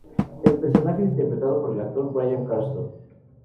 El personaje es interpretado por el actor Bryan Cranston.